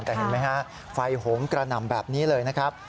แต่เห็นไหมฮะไฟโหมกระหน่ำแบบนี้เลยนะครับ